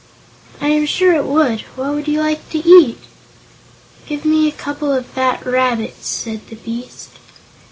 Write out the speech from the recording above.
"I am sure it would. What would you like to eat?" "Give me a couple of fat rabbits," said the beast.